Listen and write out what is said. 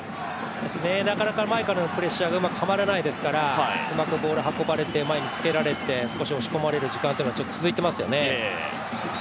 なかなか前からのプレッシャーがありますからうまくボールを運ばれて前に押し込まれて少し押し込まれる時間が続いてますよね。